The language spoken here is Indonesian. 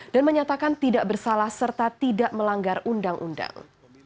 dan menyatakan tidak bersalah serta tidak melanggar undang undang